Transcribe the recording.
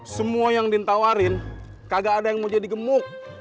semua yang ditawarin kagak ada yang mau jadi gemuk